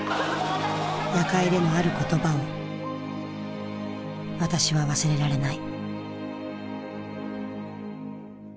夜会でのある言葉を私は忘れられない。